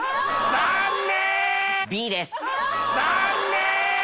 残念！